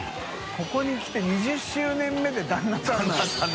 ここに来て２０周年目で旦那さんの